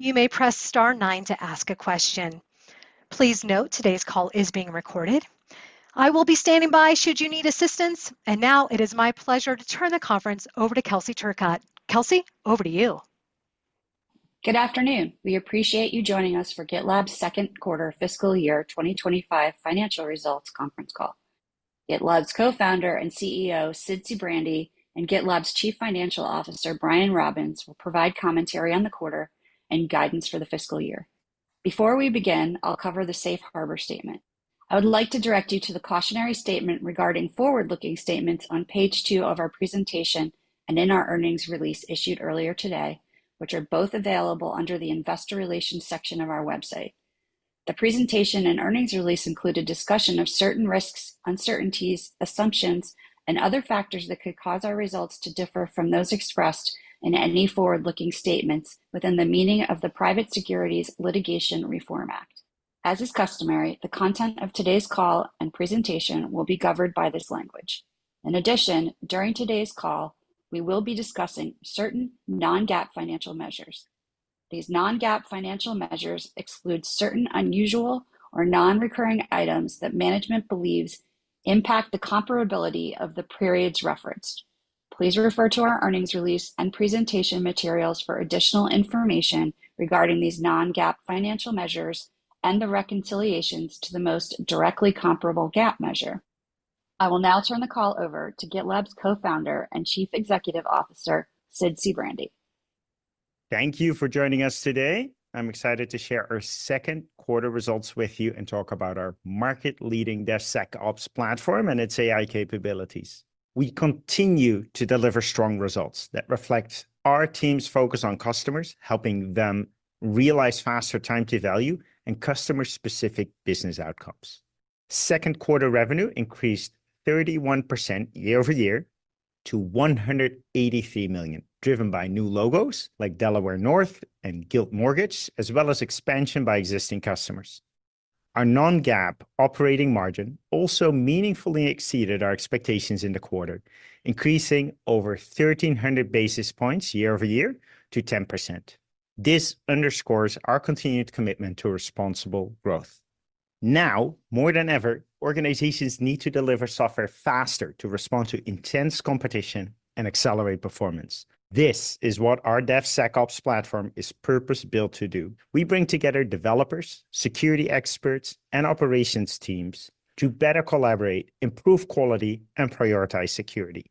You may press star nine to ask a question. Please note, today's call is being recorded. I will be standing by should you need assistance, and now it is my pleasure to turn the conference over to Kelsey Turcotte. Kelsey, over to you. Good afternoon. We appreciate you joining us for GitLab's second quarter fiscal year 2025 financial results conference call. GitLab's Co-founder and CEO, Sid Sijbrandij, and GitLab's Chief Financial Officer, Brian Robbins, will provide commentary on the quarter and guidance for the fiscal year. Before we begin, I'll cover the safe harbor statement. I would like to direct you to the cautionary statement regarding forward-looking statements on Page 2 of our presentation and in our earnings release issued earlier today, which are both available under the investor relations section of our website. The presentation and earnings release include a discussion of certain risks, uncertainties, assumptions, and other factors that could cause our results to differ from those expressed in any forward-looking statements within the meaning of the Private Securities Litigation Reform Act. As is customary, the content of today's call and presentation will be governed by this language. In addition, during today's call, we will be discussing certain non-GAAP financial measures. These non-GAAP financial measures exclude certain unusual or non-recurring items that management believes impact the comparability of the periods referenced. Please refer to our earnings release and presentation materials for additional information regarding these non-GAAP financial measures and the reconciliations to the most directly comparable GAAP measure. I will now turn the call over to GitLab's Co-founder and Chief Executive Officer, Sid Sijbrandij. Thank you for joining us today. I'm excited to share our second quarter results with you and talk about our market-leading DevSecOps platform and its AI capabilities. We continue to deliver strong results that reflect our team's focus on customers, helping them realize faster time to value and customer-specific business outcomes. Second quarter revenue increased 31% year-over-year to $183 million, driven by new logos like Delaware North and Guild Mortgage, as well as expansion by existing customers. Our non-GAAP operating margin also meaningfully exceeded our expectations in the quarter, increasing over 1,300 basis points year-over-year to 10%. This underscores our continued commitment to responsible growth. Now, more than ever, organizations need to deliver software faster to respond to intense competition and accelerate performance. This is what our DevSecOps platform is purpose-built to do. We bring together developers, security experts, and operations teams to better collaborate, improve quality, and prioritize security,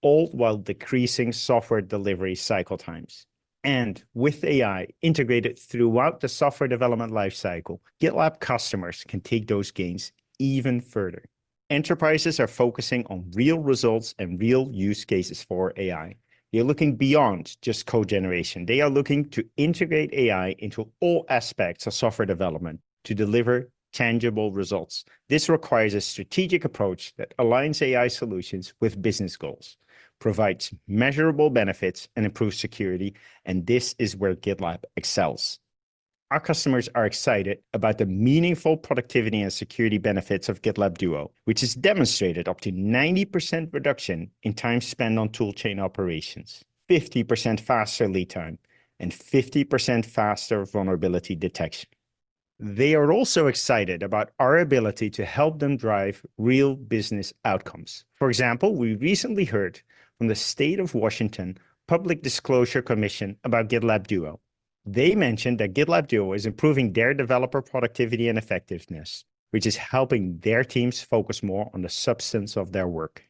all while decreasing software delivery cycle times. And with AI integrated throughout the software development life cycle, GitLab customers can take those gains even further. Enterprises are focusing on real results and real use cases for AI. They're looking beyond just code generation. They are looking to integrate AI into all aspects of software development to deliver tangible results. This requires a strategic approach that aligns AI solutions with business goals, provides measurable benefits, and improves security, and this is where GitLab excels. Our customers are excited about the meaningful productivity and security benefits of GitLab Duo, which has demonstrated up to 90% reduction in time spent on tool chain operations, 50% faster lead time, and 50% faster vulnerability detection. They are also excited about our ability to help them drive real business outcomes. For example, we recently heard from the State of Washington Public Disclosure Commission about GitLab Duo. They mentioned that GitLab Duo is improving their developer productivity and effectiveness, which is helping their teams focus more on the substance of their work.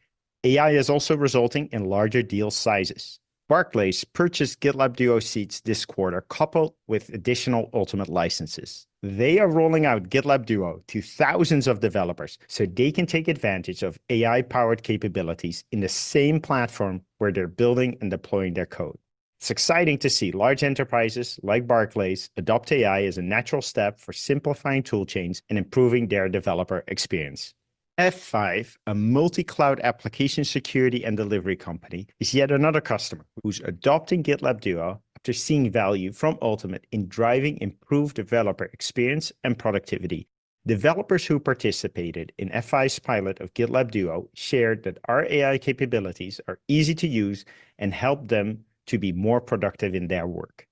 AI is also resulting in larger deal sizes. Barclays purchased GitLab Duo seats this quarter, coupled with additional Ultimate licenses. They are rolling out GitLab Duo to thousands of developers, so they can take advantage of AI-powered capabilities in the same platform where they're building and deploying their code. It's exciting to see large enterprises like Barclays adopt AI as a natural step for simplifying tool chains and improving their developer experience. F5, a multi-cloud application security and delivery company, is yet another customer who's adopting GitLab Duo after seeing value from Ultimate in driving improved developer experience and productivity. Developers who participated in F5's pilot of GitLab Duo shared that our AI capabilities are easy to use and help them to be more productive in their work.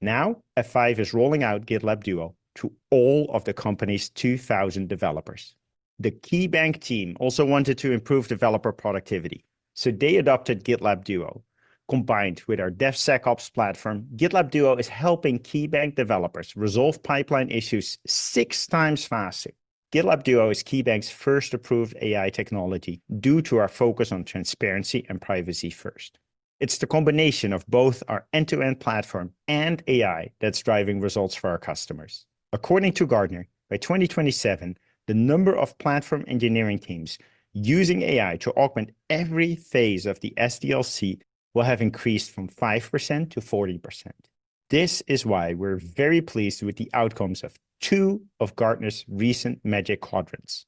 Now, F5 is rolling out GitLab Duo to all of the company's 2,000 developers. The KeyBank team also wanted to improve developer productivity, so they adopted GitLab Duo. Combined with our DevSecOps platform, GitLab Duo is helping KeyBank developers resolve pipeline issues six times faster. GitLab Duo is KeyBank's first approved AI technology due to our focus on transparency and privacy first. It's the combination of both our end-to-end platform and AI that's driving results for our customers. According to Gartner, by 2027, the number of platform engineering teams using AI to augment every phase of the SDLC will have increased from 5% to 40%. This is why we're very pleased with the outcomes of two of Gartner's recent Magic Quadrants.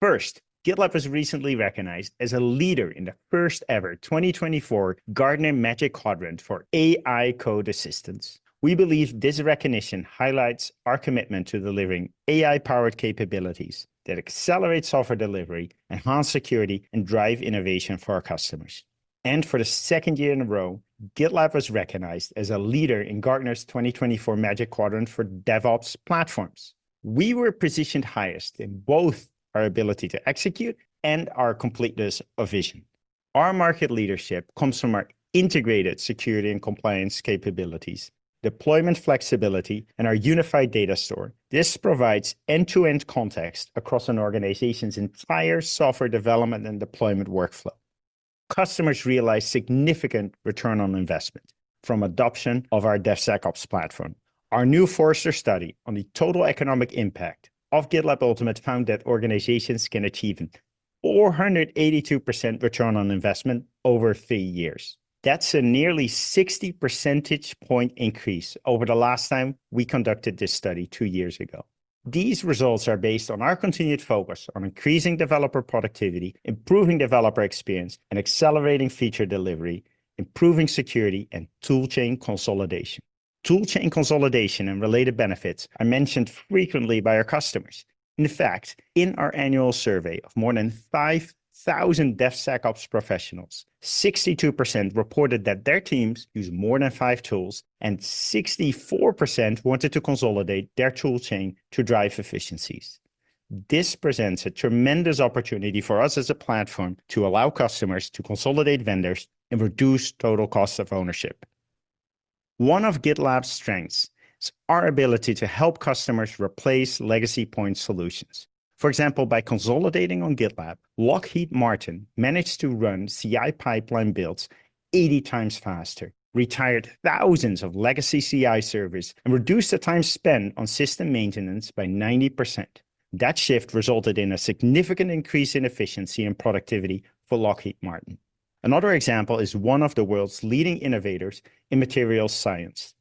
First, GitLab was recently recognized as a leader in the first-ever 2024 Gartner Magic Quadrant for AI code assistants. We believe this recognition highlights our commitment to delivering AI-powered capabilities that accelerate software delivery, enhance security, and drive innovation for our customers. And for the second year in a row, GitLab was recognized as a leader in Gartner's 2024 Magic Quadrant for DevOps platforms. We were positioned highest in both our ability to execute and our completeness of vision. Our market leadership comes from our integrated security and compliance capabilities, deployment flexibility, and our unified data store. This provides end-to-end context across an organization's entire software development and deployment workflow. Customers realize significant return on investment from adoption of our DevSecOps platform. Our new Forrester study on the total economic impact of GitLab Ultimate found that organizations can achieve a 482% return on investment over three years. That's a nearly 60 percentage point increase over the last time we conducted this study two years ago. These results are based on our continued focus on increasing developer productivity, improving developer experience, and accelerating feature delivery, improving security, and tool chain consolidation. Tool chain consolidation and related benefits are mentioned frequently by our customers. In fact, in our annual survey of more than 5,000 DevSecOps professionals, 62% reported that their teams use more than five tools, and 64% wanted to consolidate their tool chain to drive efficiencies. This presents a tremendous opportunity for us as a platform to allow customers to consolidate vendors and reduce total cost of ownership. One of GitLab's strengths is our ability to help customers replace legacy point solutions. For example, by consolidating on GitLab, Lockheed Martin managed to run CI pipeline builds eighty times faster, retired thousands of legacy CI servers, and reduced the time spent on system maintenance by 90%. That shift resulted in a significant increase in efficiency and productivity for Lockheed Martin. Another example is one of the world's leading innovators in materials science.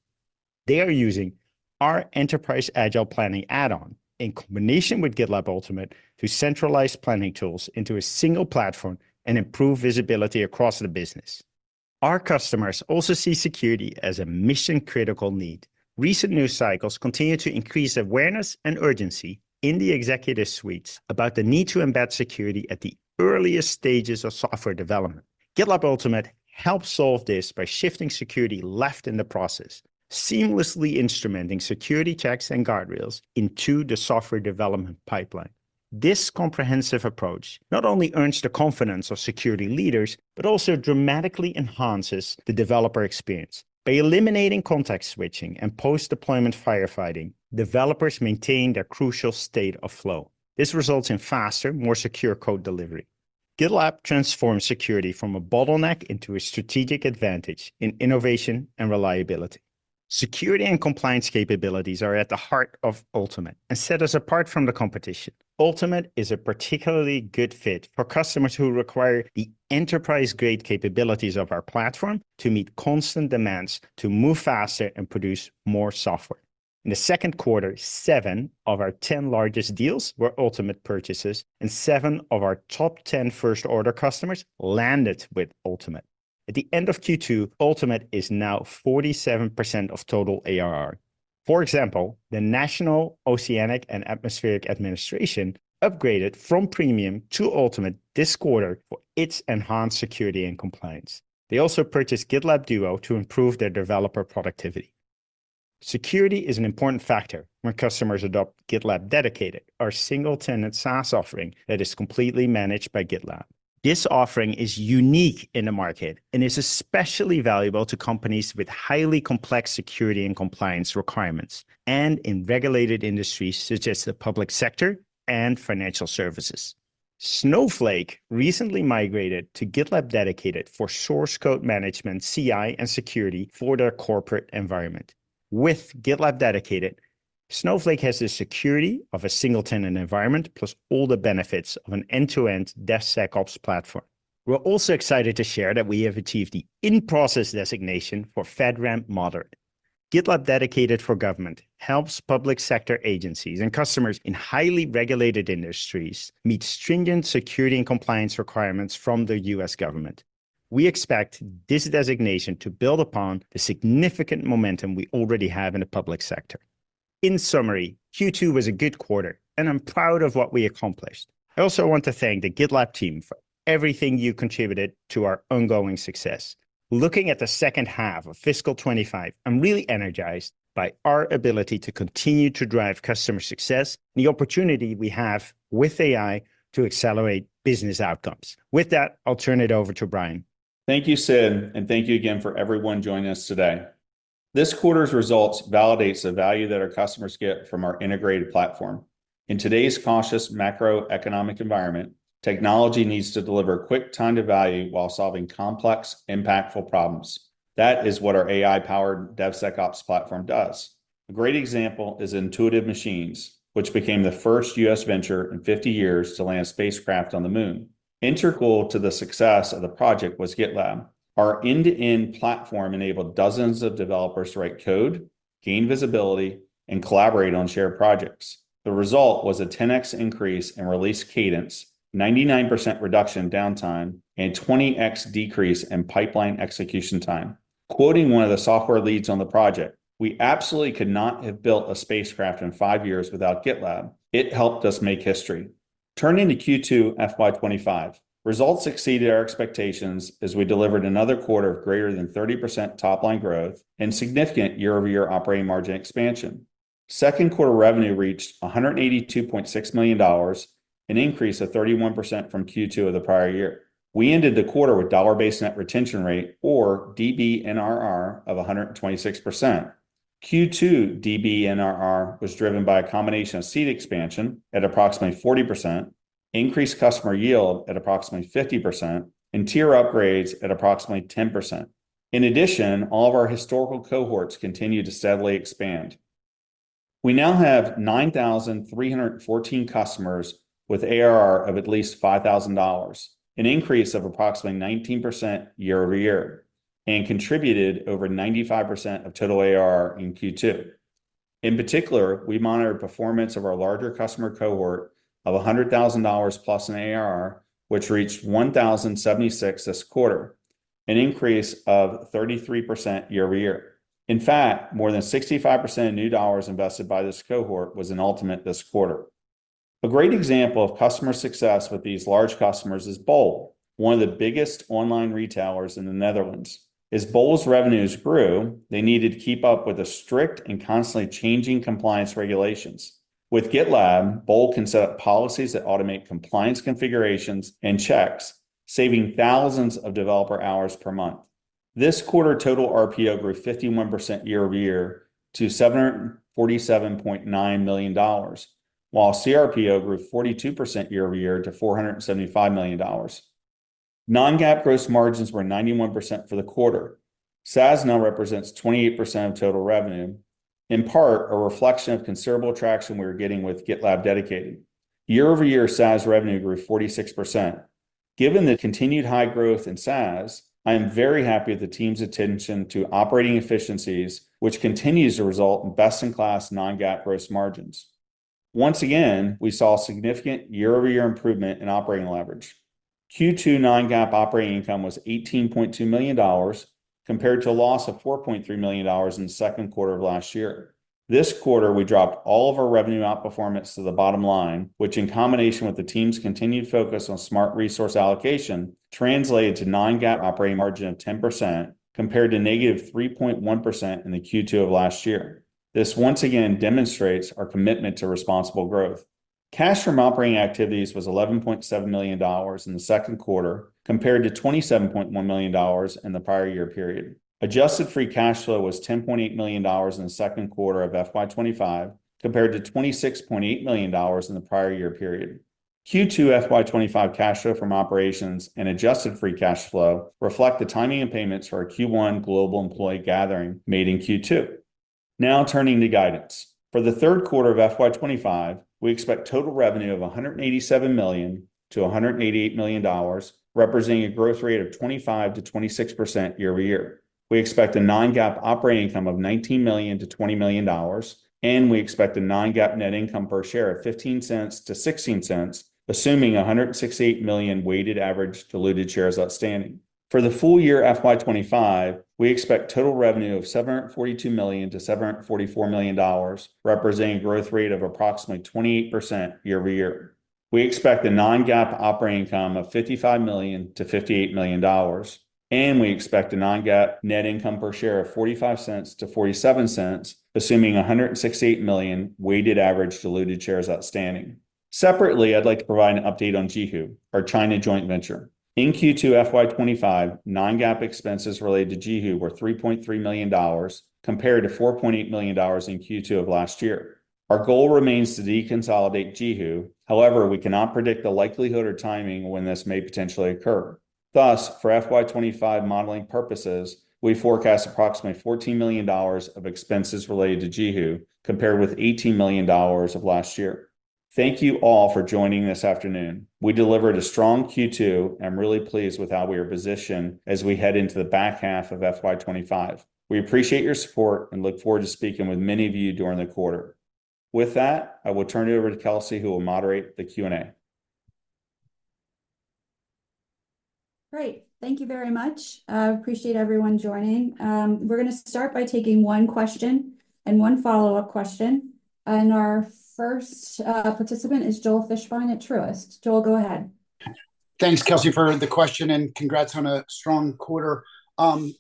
They are using our enterprise agile planning add-on in combination with GitLab Ultimate to centralize planning tools into a single platform and improve visibility across the business. Our customers also see security as a mission-critical need. Recent news cycles continue to increase awareness and urgency in the executive suites about the need to embed security at the earliest stages of software development. GitLab Ultimate helps solve this by shifting security left in the process, seamlessly instrumenting security checks and guardrails into the software development pipeline. This comprehensive approach not only earns the confidence of security leaders, but also dramatically enhances the developer experience. By eliminating context switching and post-deployment firefighting, developers maintain their crucial state of flow. This results in faster, more secure code delivery. GitLab transforms security from a bottleneck into a strategic advantage in innovation and reliability. Security and compliance capabilities are at the heart of Ultimate and set us apart from the competition. Ultimate is a particularly good fit for customers who require the enterprise-grade capabilities of our platform to meet constant demands, to move faster, and produce more software. In the second quarter, seven of our 10 largest deals were Ultimate purchases, and seven of our top 10 first-order customers landed with Ultimate. At the end of Q2, Ultimate is now 47% of total ARR. For example, the National Oceanic and Atmospheric Administration upgraded from Premium to Ultimate this quarter for its enhanced security and compliance. They also purchased GitLab Duo to improve their developer productivity. Security is an important factor when customers adopt GitLab Dedicated, our single-tenant SaaS offering that is completely managed by GitLab. This offering is unique in the market and is especially valuable to companies with highly complex security and compliance requirements, and in regulated industries such as the public sector and financial services. Snowflake recently migrated to GitLab Dedicated for source code management, CI, and security for their corporate environment. With GitLab Dedicated, Snowflake has the security of a single-tenant environment, plus all the benefits of an end-to-end DevSecOps platform. We're also excited to share that we have achieved the in-process designation for FedRAMP Moderate. GitLab Dedicated for Government helps public sector agencies and customers in highly regulated industries meet stringent security and compliance requirements from the U.S. government. We expect this designation to build upon the significant momentum we already have in the public sector. In summary, Q2 was a good quarter, and I'm proud of what we accomplished. I also want to thank the GitLab team for everything you contributed to our ongoing success. Looking at the second half of fiscal 2025, I'm really energized by our ability to continue to drive customer success and the opportunity we have with AI to accelerate business outcomes. With that, I'll turn it over to Brian. Thank you, Sid, and thank you again for everyone joining us today. This quarter's results validates the value that our customers get from our integrated platform. In today's cautious macroeconomic environment, technology needs to deliver quick time to value while solving complex, impactful problems. That is what our AI-powered DevSecOps platform does. A great example is Intuitive Machines, which became the first U.S. venture in 50 years to land a spacecraft on the Moon. Integral to the success of the project was GitLab. Our end-to-end platform enabled dozens of developers to write code, gain visibility, and collaborate on shared projects. The result was a 10x increase in release cadence, 99% reduction in downtime, and 20x decrease in pipeline execution time. Quoting one of the software leads on the project, "We absolutely could not have built a spacecraft in five years without GitLab. It helped us make history." Turning to Q2 FY 2025, results exceeded our expectations as we delivered another quarter of greater than 30% top-line growth and significant year-over-year operating margin expansion. Second quarter revenue reached $182.6 million, an increase of 31% from Q2 of the prior year. We ended the quarter with dollar-based net retention rate, or DBNRR, of 126%. Q2 DBNRR was driven by a combination of seat expansion at approximately 40%, increased customer yield at approximately 50%, and tier upgrades at approximately 10%. In addition, all of our historical cohorts continue to steadily expand. We now have 9,314 customers with ARR of at least $5,000, an increase of approximately 19% year-over-year, and contributed over 95% of total ARR in Q2. In particular, we monitored performance of our larger customer cohort of $100,000 plus in ARR, which reached 1,076 this quarter, an increase of 33% year-over-year. In fact, more than 65% of new dollars invested by this cohort was in Ultimate this quarter. A great example of customer success with these large customers is Bol, one of the biggest online retailers in the Netherlands. As Bol's revenues grew, they needed to keep up with the strict and constantly changing compliance regulations. With GitLab, Bol can set up policies that automate compliance configurations and checks, saving thousands of developer hours per month. This quarter, total RPO grew 51% year-over-year to $747.9 million, while CRPO grew 42% year-over-year to $475 million. Non-GAAP gross margins were 91% for the quarter. SaaS now represents 28% of total revenue, in part, a reflection of considerable traction we are getting with GitLab Dedicated. Year-over-year, SaaS revenue grew 46%. Given the continued high growth in SaaS, I am very happy with the team's attention to operating efficiencies, which continues to result in best-in-class non-GAAP gross margins. Once again, we saw a significant year-over-year improvement in operating leverage. Q2 non-GAAP operating income was $18.2 million, compared to a loss of $4.3 million in the second quarter of last year. This quarter, we dropped all of our revenue outperformance to the bottom line, which, in combination with the team's continued focus on smart resource allocation, translated to non-GAAP operating margin of 10%, compared to -3.1% in the Q2 of last year. This once again demonstrates our commitment to responsible growth. Cash from operating activities was $11.7 million in the second quarter, compared to $27.1 million in the prior year period. Adjusted free cash flow was $10.8 million in the second quarter of FY 2025, compared to $26.8 million in the prior year period. Q2 FY 2025 cash flow from operations and adjusted free cash flow reflect the timing of payments for our Q1 global employee gathering made in Q2. Now turning to guidance. For the third quarter of FY 2025, we expect total revenue of $187 million-$188 million, representing a growth rate of 25%-26% year-over-year. We expect a non-GAAP operating income of $19 million-$20 million, and we expect a non-GAAP net income per share of $0.15-$0.16, assuming 168 million weighted average diluted shares outstanding. For the full year FY 2025, we expect total revenue of $742 million-$744 million, representing a growth rate of approximately 28% year-over-year. We expect a non-GAAP operating income of $55 million-$58 million, and we expect a non-GAAP net income per share of $0.45-$0.47, assuming 168 million weighted average diluted shares outstanding. Separately, I'd like to provide an update on JiHu, our China joint venture. In Q2 FY 2025, non-GAAP expenses related to JiHu were $3.3 million, compared to $4.8 million in Q2 of last year. Our goal remains to deconsolidate JiHu. However, we cannot predict the likelihood or timing when this may potentially occur. Thus, for FY 2025 modeling purposes, we forecast approximately $14 million of expenses related to JiHu, compared with $18 million of last year. Thank you all for joining this afternoon. We delivered a strong Q2, and I'm really pleased with how we are positioned as we head into the back half of FY 2025. We appreciate your support and look forward to speaking with many of you during the quarter. With that, I will turn it over to Kelsey, who will moderate the Q&A. Great. Thank you very much. I appreciate everyone joining. We're gonna start by taking one question and one follow-up question, and our first participant is Joel Fishbein at Truist. Joel, go ahead. Thanks, Kelsey, for the question, and congrats on a strong quarter. I'd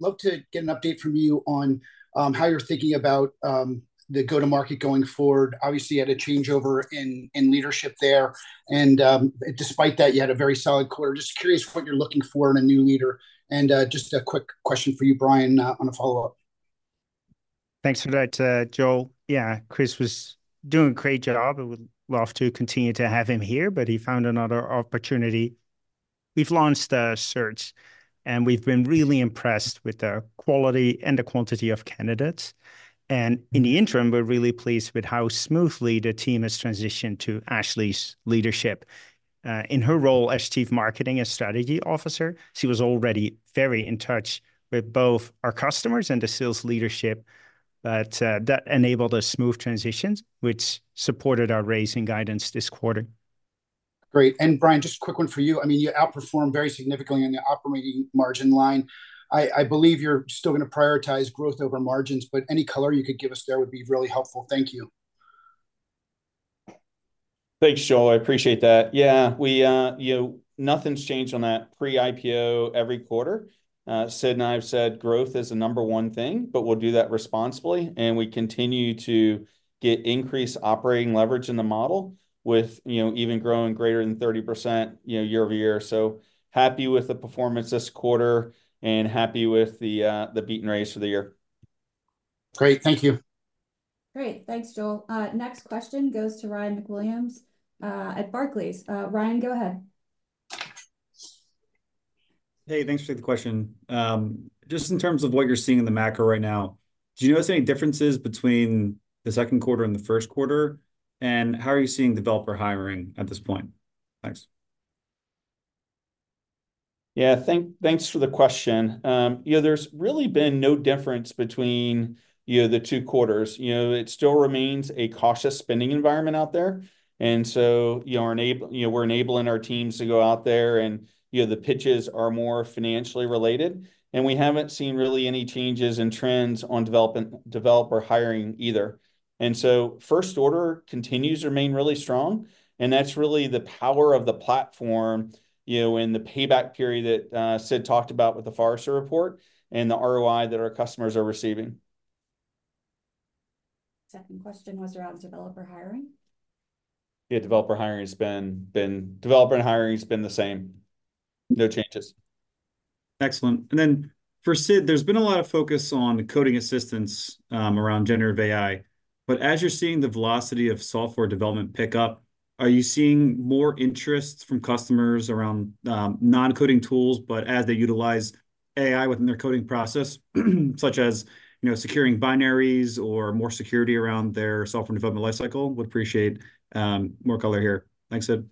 love to get an update from you on how you're thinking about the go-to-market going forward. Obviously, you had a changeover in leadership there, and, despite that, you had a very solid quarter. Just curious what you're looking for in a new leader, and, just a quick question for you, Brian, on a follow-up. Thanks for that, Joel. Yeah, Chris was doing a great job and would love to continue to have him here, but he found another opportunity. We've launched a search, and we've been really impressed with the quality and the quantity of candidates. And in the interim, we're really pleased with how smoothly the team has transitioned to Ashley's leadership. In her role as Chief Marketing and Strategy Officer, she was already very in touch with both our customers and the sales leadership that enabled a smooth transition, which supported our raise in guidance this quarter. Great. And Brian, just a quick one for you. I mean, you outperformed very significantly on the operating margin line. I believe you're still gonna prioritize growth over margins, but any color you could give us there would be really helpful. Thank you. Thanks, Joel, I appreciate that. Yeah, we, you know, nothing's changed on that pre-IPO every quarter. Sid and I have said growth is the number one thing, but we'll do that responsibly, and we continue to get increased operating leverage in the model with, you know, even growing greater than 30%, you know, year-over-year. So happy with the performance this quarter and happy with the beat and raise for the year. Great. Thank you. Great. Thanks, Joel. Next question goes to Ryan McWilliams at Barclays. Ryan, go ahead. Hey, thanks for the question. Just in terms of what you're seeing in the macro right now, do you notice any differences between the second quarter and the first quarter? And how are you seeing developer hiring at this point? Thanks. Yeah, thanks for the question. You know, there's really been no difference between, you know, the two quarters. You know, it still remains a cautious spending environment out there, and so, you know, we're enabling our teams to go out there and, you know, the pitches are more financially related. And we haven't seen really any changes in trends on development, developer hiring either. And so first order continues to remain really strong, and that's really the power of the platform, you know, and the payback period that Sid talked about with the Forrester report and the ROI that our customers are receiving. Second question was around developer hiring. Yeah, developer hiring's been the same. No changes. Excellent. And then for Sid, there's been a lot of focus on coding assistance around generative AI. But as you're seeing the velocity of software development pick up, are you seeing more interest from customers around non-coding tools, but as they utilize AI within their coding process, such as, you know, securing binaries or more security around their software development life cycle? Would appreciate more color here. Thanks, Sid.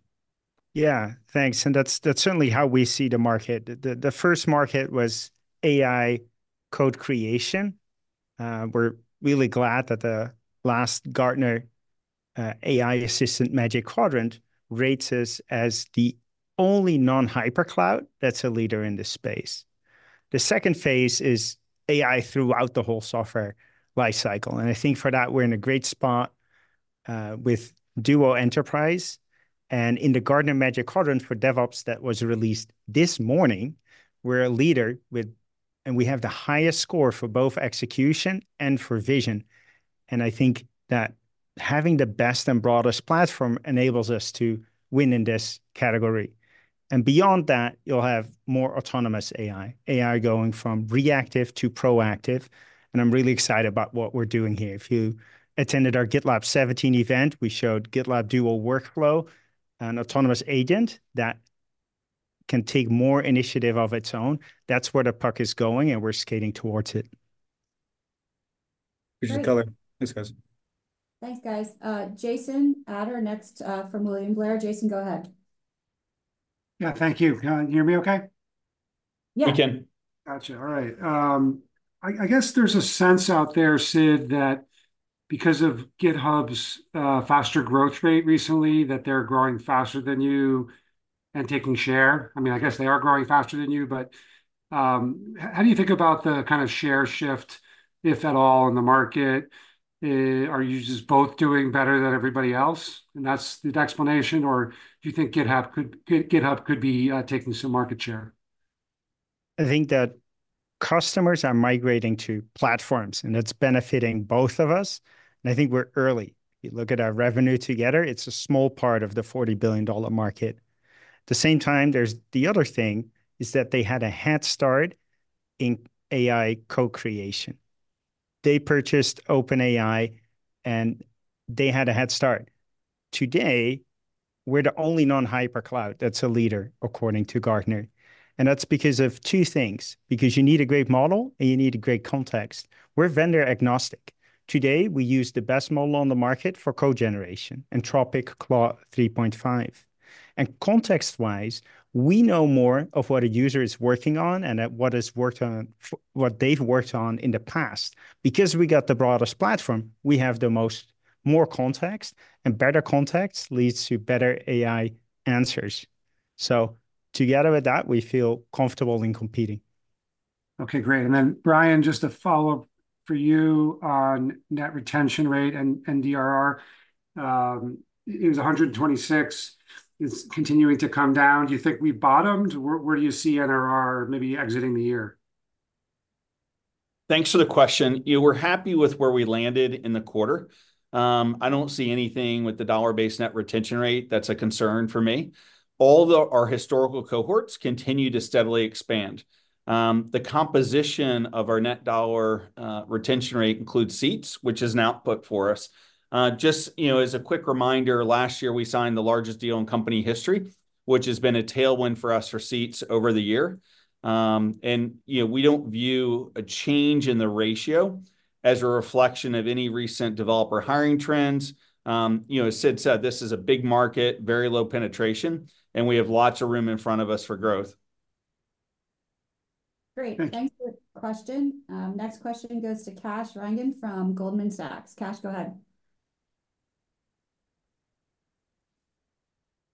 Yeah, thanks. And that's certainly how we see the market. The first market was AI code creation. We're really glad that the last Gartner AI Assistant Magic Quadrant rates us as the only non-hypercloud that's a leader in this space. The second phase is AI throughout the whole software life cycle, and I think for that, we're in a great spot with Duo Enterprise. And in the Gartner Magic Quadrant for DevOps that was released this morning, we're a leader and we have the highest score for both execution and for vision. And I think that having the best and broadest platform enables us to win in this category. And beyond that, you'll have more autonomous AI, AI going from reactive to proactive, and I'm really excited about what we're doing here. If you attended our GitLab 17 event, we showed GitLab Duo Workflow, an autonomous agent that can take more initiative of its own. That's where the puck is going, and we're skating towards it. Appreciate the color. Great. Thanks, guys. Thanks, guys. Jason Ader next, from William Blair. Jason, go ahead. Yeah, thank you. Can you hear me okay? Yeah. We can. Gotcha. All right. I guess there's a sense out there, Sid, that because of GitHub's faster growth rate recently, that they're growing faster than you and taking share. I mean, I guess they are growing faster than you, but, how do you think about the kind of share shift, if at all, in the market? Are you just both doing better than everybody else, and that's the explanation, or do you think GitHub could be taking some market share? I think that customers are migrating to platforms, and it's benefiting both of us, and I think we're early. You look at our revenue together, it's a small part of the $40 billion market. At the same time, there's the other thing, is that they had a head start in AI co-creation. They purchased OpenAI, and they had a head start. Today, we're the only non-hypercloud that's a leader, according to Gartner, and that's because of two things: because you need a great model, and you need a great context. We're vendor-agnostic. Today, we use the best model on the market for code generation, Claude 3.5. And context-wise, we know more of what a user is working on and at what has worked on, what they've worked on in the past. Because we got the broadest platform, we have more context, and better context leads to better AI answers. So together with that, we feel comfortable in competing. Okay, great. And then, Brian, just a follow-up for you on net retention rate and DRR. It was 126. It's continuing to come down. Do you think we've bottomed? Where do you see NRR maybe exiting the year? Thanks for the question. You know, we're happy with where we landed in the quarter. I don't see anything with the dollar-based net retention rate that's a concern for me, although our historical cohorts continue to steadily expand. The composition of our net dollar retention rate includes seats, which is an output for us. Just, you know, as a quick reminder, last year, we signed the largest deal in company history, which has been a tailwind for us for seats over the year, and you know, we don't view a change in the ratio as a reflection of any recent developer hiring trends. You know, as Sid said, this is a big market, very low penetration, and we have lots of room in front of us for growth. Great. Thanks for the question. Next question goes to Kash Rangan from Goldman Sachs. Kash, go ahead.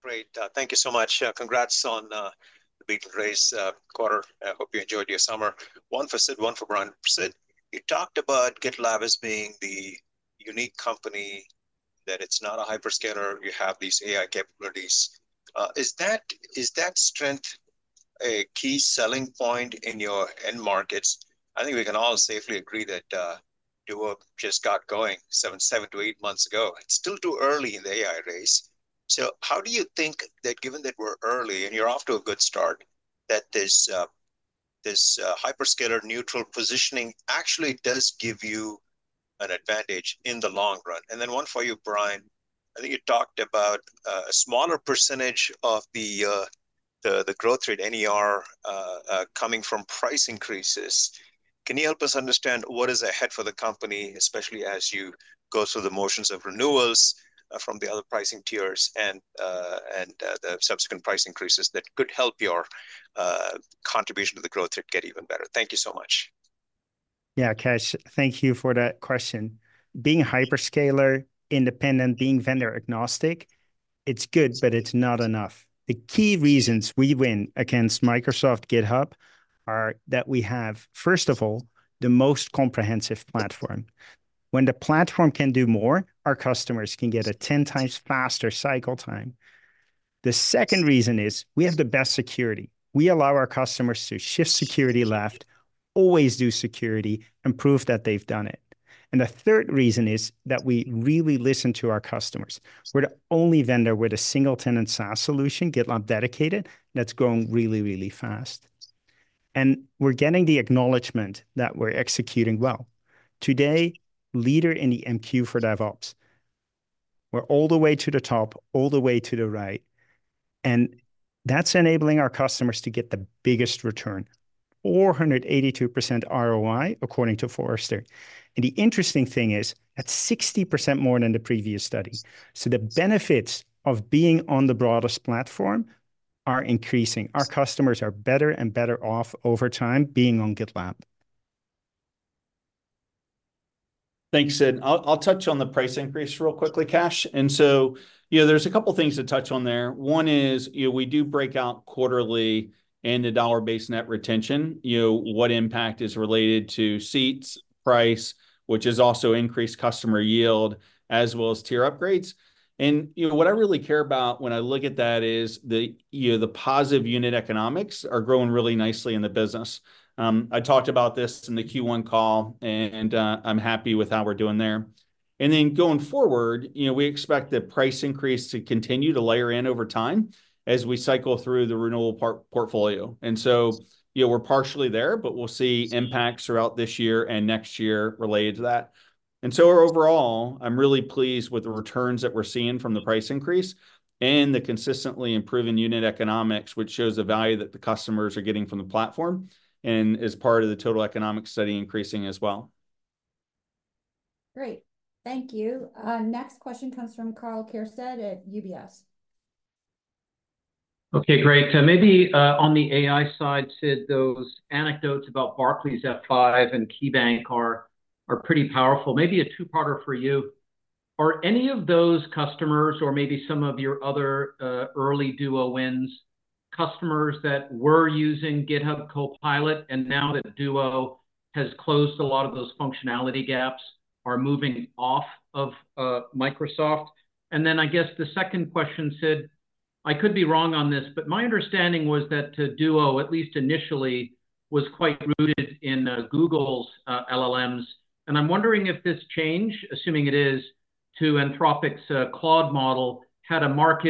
Great. Thank you so much. Congrats on the big raise quarter. I hope you enjoyed your summer. One for Sid, one for Brian. Sid, you talked about GitLab as being the unique company, that it's not a hyperscaler, you have these AI capabilities. Is that strength a key selling point in your end markets? I think we can all safely agree that Duo just got going seven to eight months ago. It's still too early in the AI race. So how do you think that given that we're early, and you're off to a good start, that this hyperscaler-neutral positioning actually does give you an advantage in the long run? And then one for you, Brian. I think you talked about a smaller percentage of the growth rate, NRR, coming from price increases. Can you help us understand what is ahead for the company, especially as you go through the motions of renewals from the other pricing tiers, and the subsequent price increases that could help your contribution to the growth rate get even better? Thank you so much. Yeah, Kash, thank you for that question. Being hyperscaler independent, being vendor-agnostic, it's good, but it's not enough. The key reasons we win against Microsoft GitHub are that we have, first of all, the most comprehensive platform. When the platform can do more, our customers can get a 10 times faster cycle time. The second reason is we have the best security. We allow our customers to shift security left, always do security, and prove that they've done it. And the third reason is that we really listen to our customers. We're the only vendor with a single-tenant SaaS solution, GitLab Dedicated, that's growing really, really fast. And we're getting the acknowledgement that we're executing well. Today, leader in the MQ for DevOps. We're all the way to the top, all the way to the right, and that's enabling our customers to get the biggest return, 482% ROI, according to Forrester. And the interesting thing is, that's 60% more than the previous study. So the benefits of being on the broadest platform are increasing. Our customers are better and better off over time being on GitLab. Thanks, Sid. I'll touch on the price increase real quickly, Kash. And so, you know, there's a couple things to touch on there. One is, you know, we do break out quarterly and the dollar-based net retention, you know, what impact is related to seats, price, which is also increased customer yield, as well as tier upgrades. And, you know, what I really care about when I look at that is the, you know, the positive unit economics are growing really nicely in the business. I talked about this in the Q1 call, and I'm happy with how we're doing there. And then going forward, you know, we expect the price increase to continue to layer in over time as we cycle through the renewal portfolio. And so, you know, we're partially there, but we'll see impacts throughout this year and next year related to that. So overall, I'm really pleased with the returns that we're seeing from the price increase and the consistently improving unit economics, which shows the value that the customers are getting from the platform, and as part of the total economic study increasing as well. Great. Thank you. Next question comes from Karl Keirstead at UBS. Okay, great. So maybe on the AI side, Sid, those anecdotes about Barclays, F5, and KeyBank are pretty powerful. Maybe a two-parter for you. Are any of those customers, or maybe some of your other early Duo wins, customers that were using GitHub Copilot, and now that Duo has closed a lot of those functionality gaps, are moving off of Microsoft? And then I guess the second question, Sid. I could be wrong on this, but my understanding was that Duo, at least initially, was quite rooted in Google's LLMs. And I'm wondering if this change, assuming it is, to Anthropic's Claude model, had a marked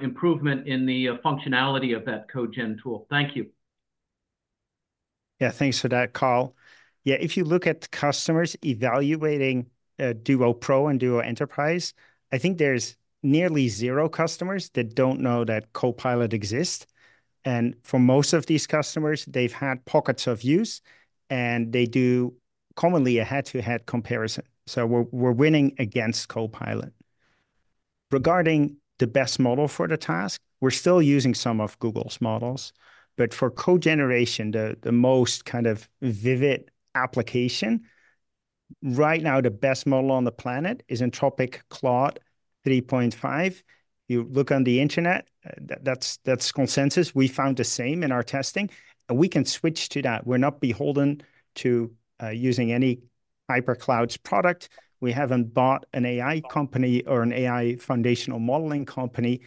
improvement in the functionality of that codegen tool. Thank you. Yeah, thanks for that, Karl. Yeah, if you look at customers evaluating Duo Pro and Duo Enterprise, I think there's nearly zero customers that don't know that Copilot exists. And for most of these customers, they've had pockets of use, and they do commonly a head-to-head comparison, so we're winning against Copilot. Regarding the best model for the task, we're still using some of Google's models. But for code generation, the most kind of vivid application, right now the best model on the planet is Anthropic Claude 3.5. You look on the internet, that's consensus. We found the same in our testing, and we can switch to that. We're not beholden to using any hypercloud's product. We haven't bought an AI company or an AI foundational modeling company,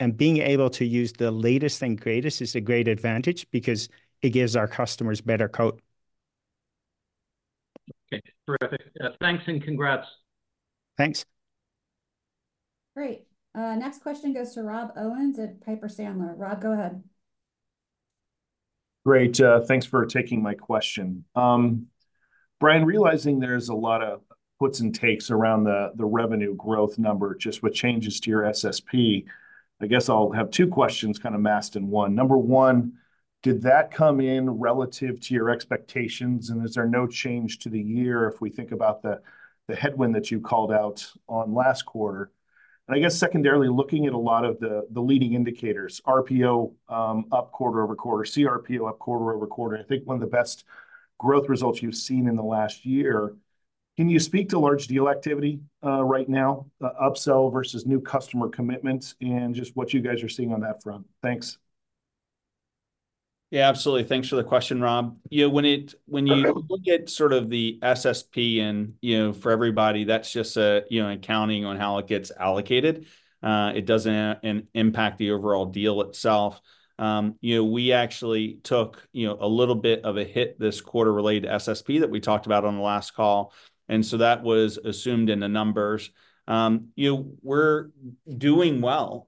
and being able to use the latest and greatest is a great advantage because it gives our customers better code. Okay. Terrific. Thanks and congrats. Thanks. Great. Next question goes to Rob Owens at Piper Sandler. Rob, go ahead. Great, thanks for taking my question. Brian, realizing there's a lot of puts and takes around the revenue growth number, just with changes to your SSP, I guess I'll have two questions kind of masked in one. Number one, did that come in relative to your expectations, and is there no change to the year if we think about the headwind that you called out on last quarter? And I guess secondarily, looking at a lot of the leading indicators, RPO up quarter-over-quarter, CRPO up quarter-over-quarter, I think one of the best growth results you've seen in the last year. Can you speak to large deal activity right now, upsell versus new customer commitments, and just what you guys are seeing on that front? Thanks. Yeah, absolutely. Thanks for the question, Rob. Yeah, when you... look at sort of the SSP and, you know, for everybody, that's just a, you know, accounting on how it gets allocated, it doesn't impact the overall deal itself. You know, we actually took, you know, a little bit of a hit this quarter related to SSP that we talked about on the last call, and so that was assumed in the numbers. You know, we're doing well,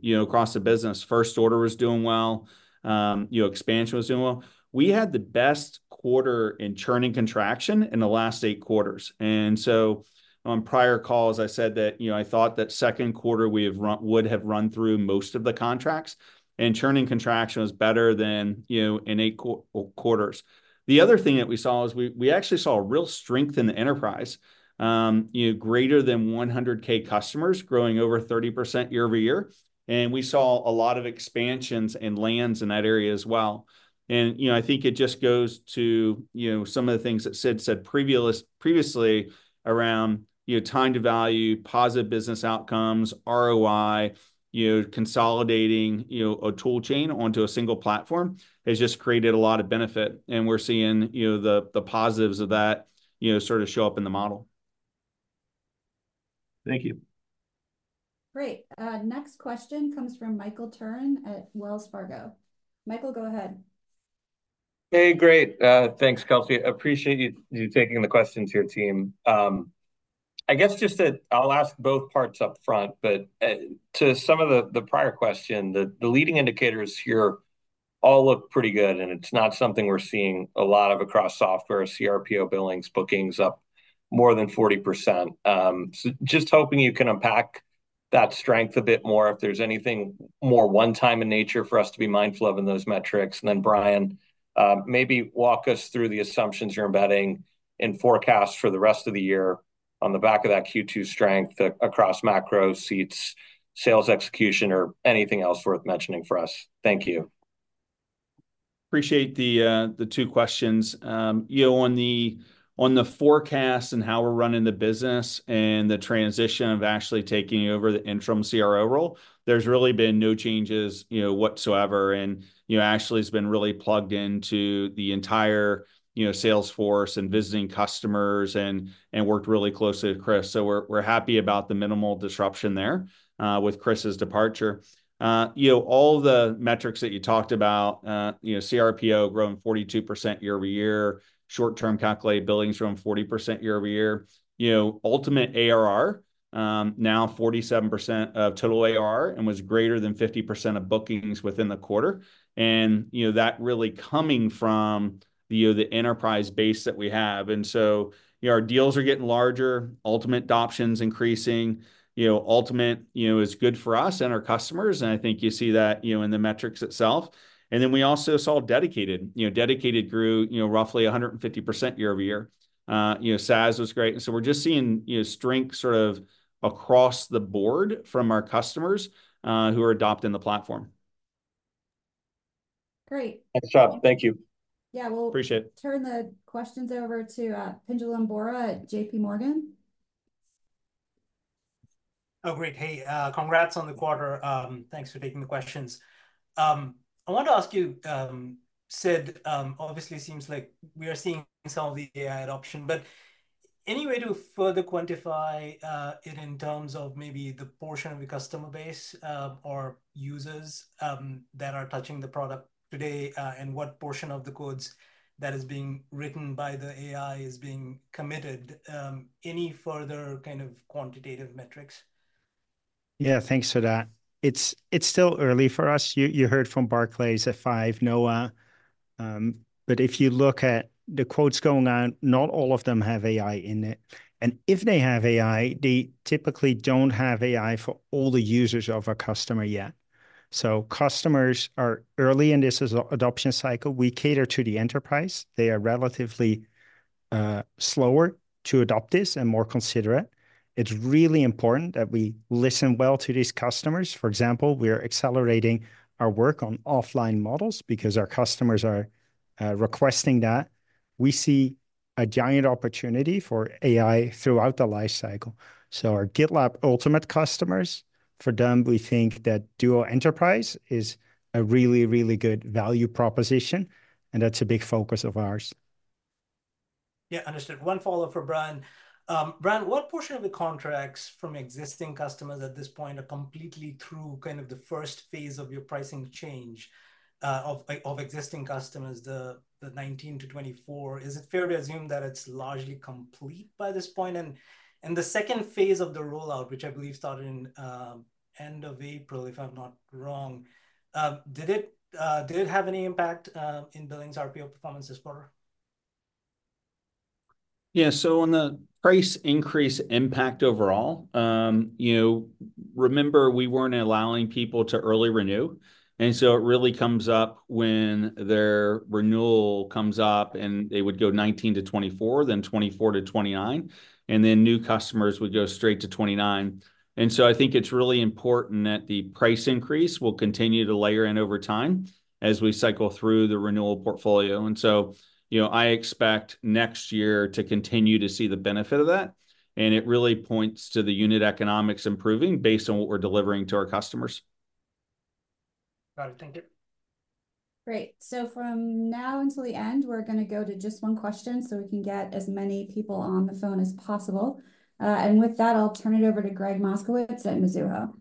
you know, across the business. First order was doing well, you know, expansion was doing well. We had the best quarter in churning contraction in the last eight quarters. And so, on prior calls, I said that, you know, I thought that second quarter we would have run through most of the contracts, and churning contraction was better than, you know, in eight quarters. The other thing that we saw is we actually saw a real strength in the enterprise, you know, greater than 100K customers, growing over 30% year-over-year, and we saw a lot of expansions and lands in that area as well, and you know, I think it just goes to, you know, some of the things that Sid said previously around, you know, time to value, positive business outcomes, ROI, you know, consolidating, you know, a tool chain onto a single platform, has just created a lot of benefit, and we're seeing, you know, the positives of that, you know, sort of show up in the model. Thank you. Great. Next question comes from Michael Turrin at Wells Fargo. Michael, go ahead. Hey, great. Thanks, Kelsey. Appreciate you taking the questions here, team. I guess just to... I'll ask both parts up front, but to some of the prior question, the leading indicators here all look pretty good, and it's not something we're seeing a lot of across software. CRPO billings, bookings up more than 40%. So just hoping you can unpack that strength a bit more, if there's anything more one-time in nature for us to be mindful of in those metrics. And then, Brian, maybe walk us through the assumptions you're embedding in forecast for the rest of the year on the back of that Q2 strength across macro seats, sales execution, or anything else worth mentioning for us. Thank you. Appreciate the two questions. You know, on the forecast and how we're running the business and the transition of Ashley taking over the interim CRO role, there's really been no changes, you know, whatsoever, and you know, Ashley's been really plugged into the entire, you know, sales force and visiting customers and worked really closely with Chris. So we're happy about the minimal disruption there with Chris's departure. You know, all the metrics that you talked about, you know, CRPO growing 42% year-over-year, short-term calculated billings growing 40% year-over-year. You know, Ultimate ARR now 47% of total ARR and was greater than 50% of bookings within the quarter, and you know, that really coming from the enterprise base that we have. Our deals are getting larger, Ultimate adoptions increasing. You know, Ultimate, you know, is good for us and our customers, and I think you see that, you know, in the metrics itself. We also saw Dedicated. You know, Dedicated grew, you know, roughly 150% year-over-year. You know, SaaS was great, and so we're just seeing, you know, strength sort of across the board from our customers who are adopting the platform. Great. Nice job. Thank you. Yeah. We'll- Appreciate it Turn the questions over to Pinjalim Bora at JPMorgan. Oh, great. Hey, congrats on the quarter. Thanks for taking the questions. I want to ask you, Sid, obviously it seems like we are seeing some of the AI adoption, but any way to further quantify it in terms of maybe the portion of your customer base or users that are touching the product today, and what portion of the codes that is being written by the AI is being committed? Any further kind of quantitative metrics? Yeah, thanks for that. It's still early for us. You, you heard from Barclays, F5, NOAA. But if you look at the quotes going out, not all of them have AI in it. And if they have AI, they typically don't have AI for all the users of a customer yet. So customers are early in this adoption cycle. We cater to the enterprise. They are relatively slower to adopt this and more considerate. It's really important that we listen well to these customers. For example, we are accelerating our work on offline models because our customers are requesting that. We see a giant opportunity for AI throughout the life cycle. So our GitLab Ultimate customers, for them, we think that Duo Enterprise is a really, really good value proposition, and that's a big focus of ours. Yeah, understood. One follow-up for Brian. Brian, what portion of the contracts from existing customers at this point are completely through kind of the first phase of your pricing change of existing customers, the $19-24? Is it fair to assume that it's largely complete by this point? And the second phase of the rollout, which I believe started in end of April, if I'm not wrong, did it have any impact in billings RPO performance thus far? Yeah. So on the price increase impact overall, you know, remember, we weren't allowing people to early renew, and so it really comes up when their renewal comes up, and they would go $19-$24, then $24-$29 and then new customers would go straight to $29. And so I think it's really important that the price increase will continue to layer in over time as we cycle through the renewal portfolio. And so, you know, I expect next year to continue to see the benefit of that, and it really points to the unit economics improving based on what we're delivering to our customers. Got it. Thank you. Great. From now until the end, we're gonna go to just one question, so we can get as many people on the phone as possible, and with that, I'll turn it over to Gregg Moskowitz at Mizuho.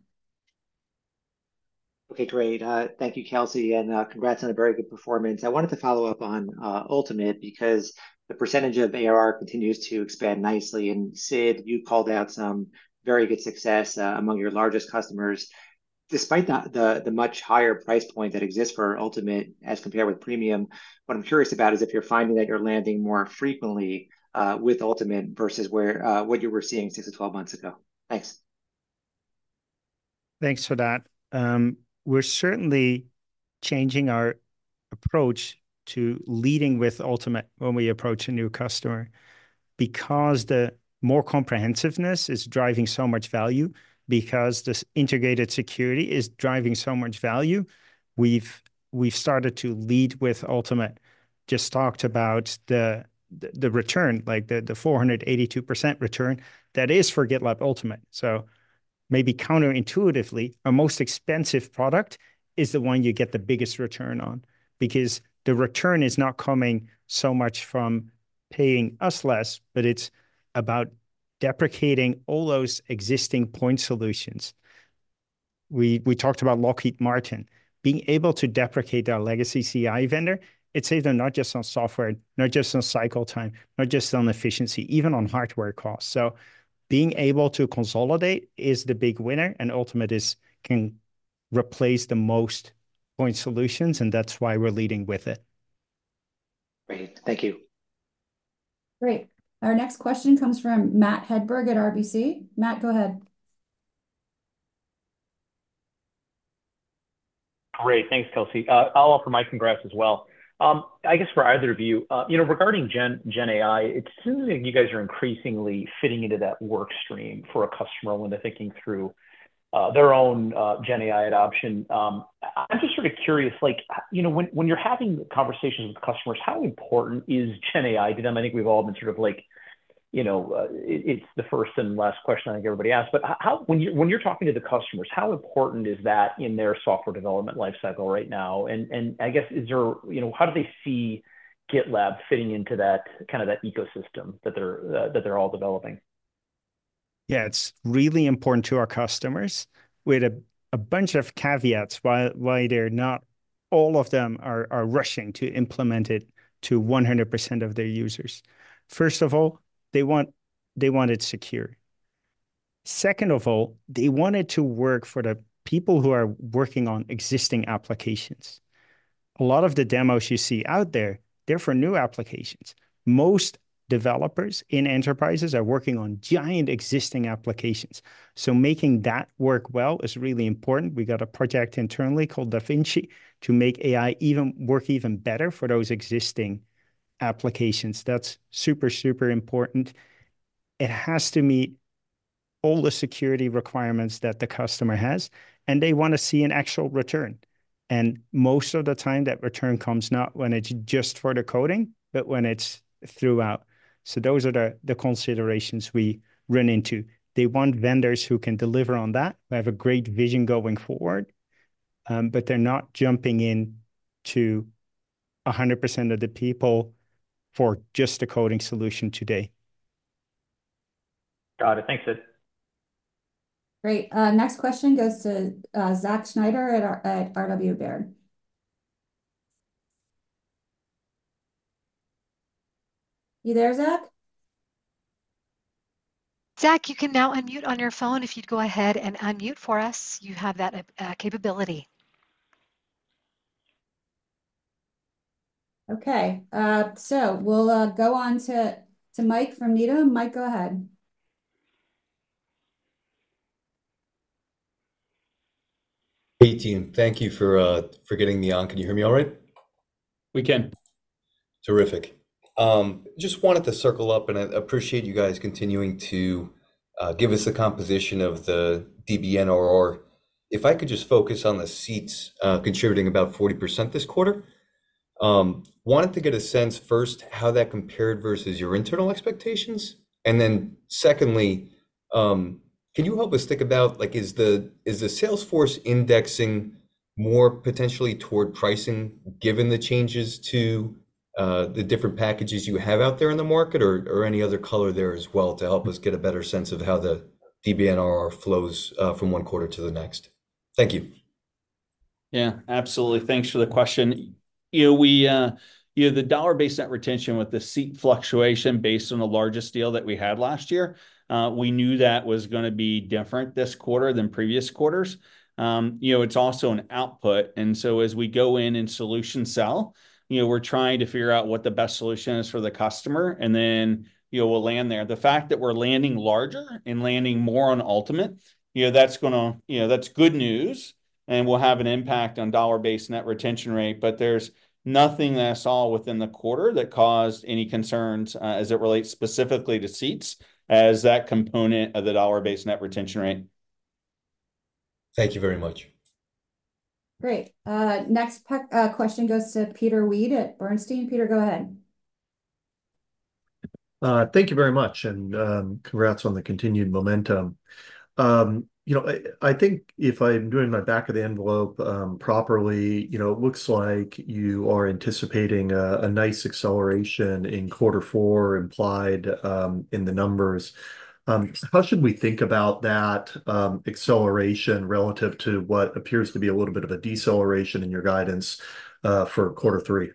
Okay, great. Thank you, Kelsey, and congrats on a very good performance. I wanted to follow up on Ultimate because the percentage of ARR continues to expand nicely, and Sid, you called out some very good success among your largest customers. Despite the much higher price point that exists for Ultimate as compared with Premium, what I'm curious about is if you're finding that you're landing more frequently with Ultimate versus where what you were seeing six to 12 months ago? Thanks. Thanks for that. We're certainly changing our approach to leading with Ultimate when we approach a new customer, because the more comprehensiveness is driving so much value, because this integrated security is driving so much value. We've started to lead with Ultimate. Just talked about the return, like the 482% return, that is for GitLab Ultimate. So maybe counterintuitively, our most expensive product is the one you get the biggest return on, because the return is not coming so much from paying us less, but it's about deprecating all those existing point solutions. We talked about Lockheed Martin. Being able to deprecate their legacy CI vendor, it saved them not just on software, not just on cycle time, not just on efficiency, even on hardware costs. So being able to consolidate is the big winner, and Ultimate can replace the most point solutions, and that's why we're leading with it. Great. Thank you. Great. Our next question comes from Matt Hedberg at RBC. Matt, go ahead. Great. Thanks, Kelsey. I'll offer my congrats as well. I guess for either of you, you know, regarding GenAI, it seems like you guys are increasingly fitting into that work stream for a customer when they're thinking through their own GenAI adoption. I'm just sort of curious, like, you know, when you're having conversations with customers, how important is GenAI to them? I think we've all been sort of like, you know, it's the first and last question I think everybody asks. But how, when you're talking to the customers, how important is that in their software development life cycle right now? And I guess, is there... You know, how do they see GitLab fitting into that, kind of that ecosystem that they're all developing? Yeah, it's really important to our customers, with a bunch of caveats why not all of them are rushing to implement it to 100% of their users. First of all, they want it secure. Second of all, they want it to work for the people who are working on existing applications. A lot of the demos you see out there, they're for new applications. Most developers in enterprises are working on giant existing applications, so making that work well is really important. We've got a project internally called Da Vinci to make AI work even better for those existing applications. That's super important. It has to meet all the security requirements that the customer has, and they want to see an actual return. And most of the time, that return comes not when it's just for the coding, but when it's throughout. So those are the considerations we run into. They want vendors who can deliver on that. They have a great vision going forward, but they're not jumping in to 100% of the people for just a coding solution today. Got it. Thanks, Sid. Great. Next question goes to Zach Schneider at RW Baird. You there, Zach? Zach, you can now unmute on your phone. If you'd go ahead and unmute for us, you have that capability. Okay, so we'll go on to Mike from Needham. Mike, go ahead. Hey, team. Thank you for getting me on. Can you hear me all right? We can. Terrific. Just wanted to circle up, and I appreciate you guys continuing to give us the composition of the DBNRR. If I could just focus on the seats contributing about 40% this quarter. Wanted to get a sense first, how that compared versus your internal expectations? And then secondly, can you help us think about, like, is the sales force indexing more potentially toward pricing, given the changes to the different packages you have out there in the market, or any other color there as well, to help us get a better sense of how the DBNRR flows from one quarter to the next? Thank you. Yeah, absolutely. Thanks for the question. You know, we, you know, the dollar-based net retention with the seat fluctuation based on the largest deal that we had last year, we knew that was gonna be different this quarter than previous quarters. You know, it's also an output, and so as we go in and solution sell, you know, we're trying to figure out what the best solution is for the customer, and then, you know, we'll land there. The fact that we're landing larger and landing more on Ultimate, you know, that's gonna... You know, that's good news, and will have an impact on dollar-based net retention rate, but there's nothing that I saw within the quarter that caused any concerns, as it relates specifically to seats as that component of the dollar-based net retention rate. Thank you very much. Great. Next question goes to Peter Weed at Bernstein. Peter, go ahead. Thank you very much, and congrats on the continued momentum. You know, I think if I'm doing my back of the envelope properly, you know, it looks like you are anticipating a nice acceleration in quarter four, implied in the numbers. How should we think about that acceleration relative to what appears to be a little bit of a deceleration in your guidance for quarter three?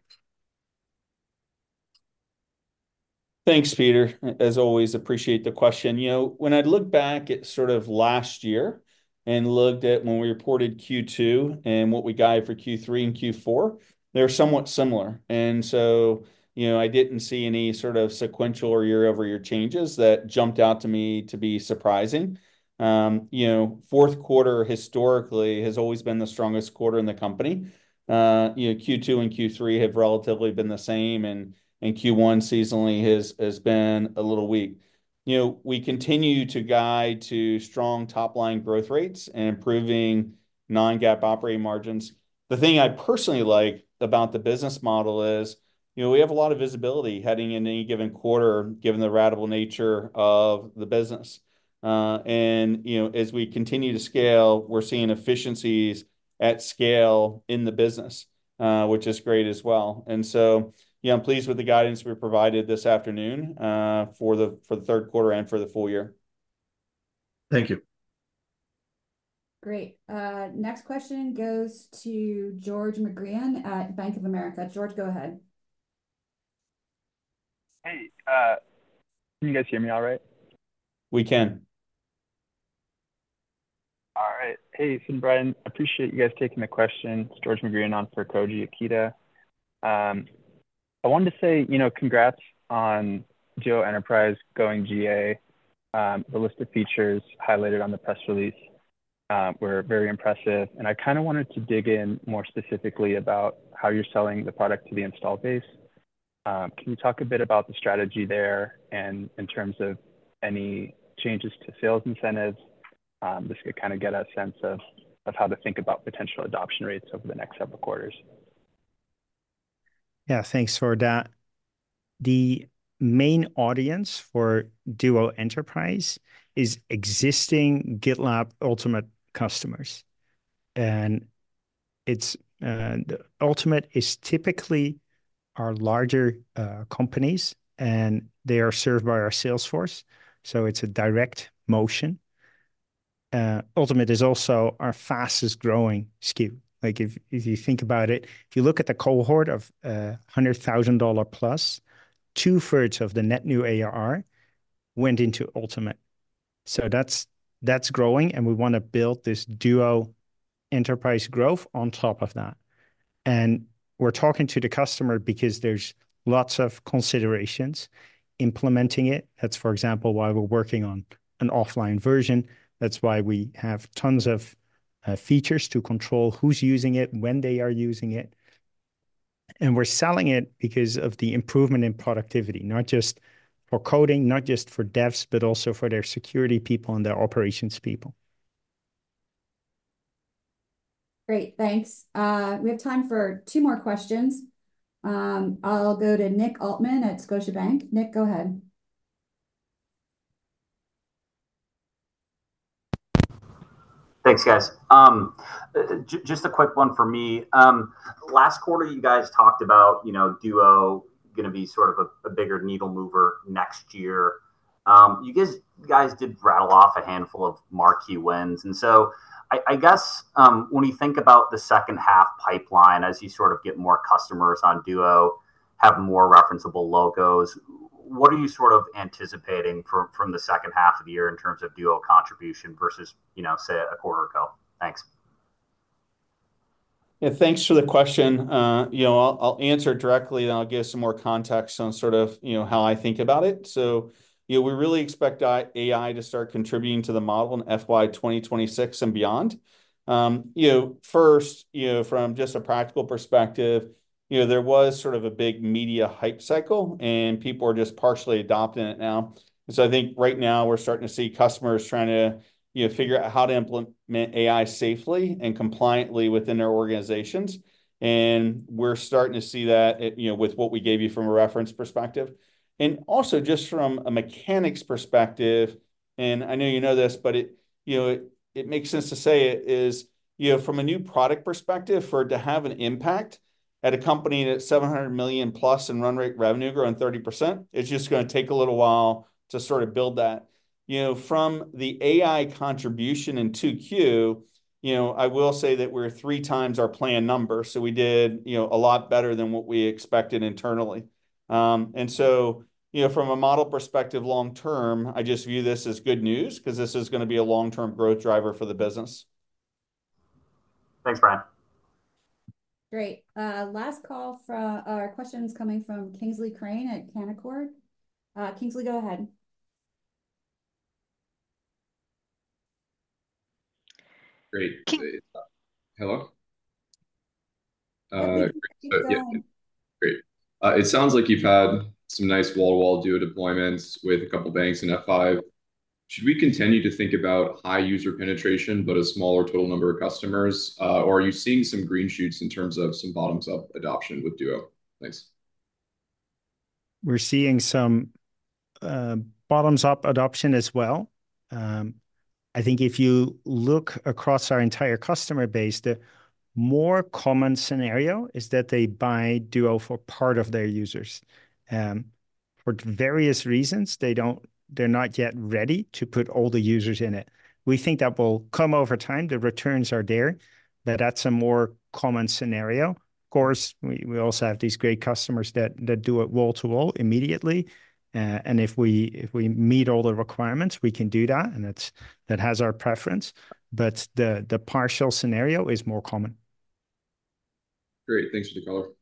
Thanks, Peter. As always, appreciate the question. You know, when I look back at sort of last year and looked at when we reported Q2 and what we guided for Q3 and Q4, they're somewhat similar. And so, you know, I didn't see any sort of sequential or year-over-year changes that jumped out to me to be surprising. You know, fourth quarter historically has always been the strongest quarter in the company. You know, Q2 and Q3 have relatively been the same, and Q1 seasonally has been a little weak. You know, we continue to guide to strong top line growth rates and improving non-GAAP operating margins. The thing I personally like about the business model is, you know, we have a lot of visibility heading into any given quarter, given the ratable nature of the business and, you know, as we continue to scale, we're seeing efficiencies at scale in the business, which is great as well. And so, you know, I'm pleased with the guidance we provided this afternoon, for the third quarter and for the full year. Thank you. Great. Next question goes to George Kure at Bank of America. George, go ahead. Hey, can you guys hear me all right? We can. All right. Hey, Sid and Brian, appreciate you guys taking the question. It's George Kure on for Koji Ikeda. I wanted to say, you know, congrats on Duo Enterprise going GA. The list of features highlighted on the press release were very impressive, and I kinda wanted to dig in more specifically about how you're selling the product to the installed base. Can you talk a bit about the strategy there, and in terms of any changes to sales incentives, just to kinda get a sense of how to think about potential adoption rates over the next several quarters? Yeah, thanks for that. The main audience for Duo Enterprise is existing GitLab Ultimate customers, and it's the Ultimate is typically our larger companies, and they are served by our sales force, so it's a direct motion. Ultimate is also our fastest-growing SKU. Like, if you think about it, if you look at the cohort of $100,000+, two-thirds of the net new ARR went into Ultimate. So that's growing, and we wanna build this Duo Enterprise growth on top of that. We're talking to the customer because there's lots of considerations implementing it. That's, for example, why we're working on an offline version. That's why we have tons of features to control who's using it, when they are using it. We're selling it because of the improvement in productivity, not just for coding, not just for devs, but also for their security people and their operations people. Great, thanks. We have time for two more questions. I'll go to Nick Altman at Scotiabank. Nick, go ahead. Thanks, guys. Just a quick one for me. Last quarter, you guys talked about, you know, Duo gonna be sort of a bigger needle mover next year. You guys did rattle off a handful of marquee wins, and so I guess, when you think about the second half pipeline, as you sort of get more customers on Duo, have more referenceable logos, what are you sort of anticipating from the second half of the year in terms of Duo contribution versus, you know, say, a quarter ago? Thanks. Yeah, thanks for the question. You know, I'll answer directly, then I'll give some more context on sort of, you know, how I think about it. So, you know, we really expect AI to start contributing to the model in FY 2026 and beyond. First, you know, from just a practical perspective, you know, there was sort of a big media hype cycle, and people are just partially adopting it now. So I think right now we're starting to see customers trying to, you know, figure out how to implement AI safely and compliantly within their organizations, and we're starting to see that at, you know, with what we gave you from a reference perspective. And also, just from a mechanics perspective, and I know you know this, but, you know, it makes sense to say it, you know, from a new product perspective, for it to have an impact at a company that's $700+ million in run rate revenue, growing 30%, it's just gonna take a little while to sort of build that. You know, from the AI contribution in 2Q, you know, I will say that we're three times our planned number, so we did, you know, a lot better than what we expected internally, and so, you know, from a model perspective, long term, I just view this as good news, 'cause this is gonna be a long-term growth driver for the business. Thanks, Brian. Great. Last call from... questions coming from Kingsley Crane at Canaccord. Kingsley, go ahead. Great. Yeah, great. It sounds like you've had some nice wall-to-wall Duo deployments with a couple banks in F5. Should we continue to think about high user penetration but a smaller total number of customers, or are you seeing some green shoots in terms of some bottoms-up adoption with Duo? Thanks. We're seeing some bottoms-up adoption as well. I think if you look across our entire customer base, the more common scenario is that they buy Duo for part of their users. For various reasons, they don't, they're not yet ready to put all the users in it. We think that will come over time. The returns are there, but that's a more common scenario. Of course, we also have these great customers that do it wall to wall immediately, and if we meet all the requirements, we can do that, and it's that has our preference, but the partial scenario is more common. Great. Thanks for the call.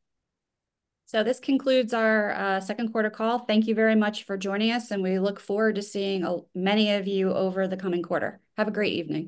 So this concludes our second quarter call. Thank you very much for joining us, and we look forward to seeing many of you over the coming quarter. Have a great evening.